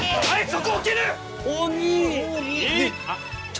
はい！